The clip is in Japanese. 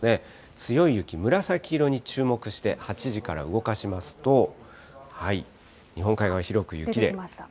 強い雪、紫色に注目して、８時から動かしますと、日本海側、広く雪で。